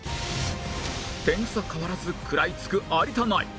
点差変わらず食らいつく有田ナイン